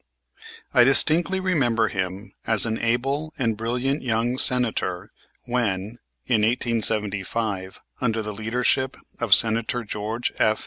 I distinctly remember him as an able and brilliant young Senator when, in 1875, under the leadership of Senator George F.